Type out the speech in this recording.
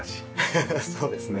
ハハハそうですね。